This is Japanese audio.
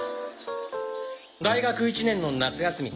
大学１年の夏休み。